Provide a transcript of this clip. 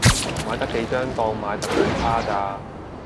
買得幾張當買特典卡咋